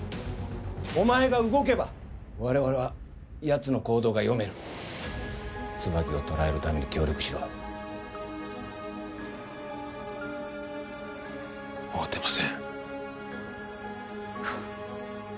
お前が動けば我々はやつの行動が読める椿を捕らえるために協力しろもう出ません